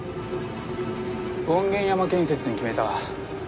権現山建設に決めた。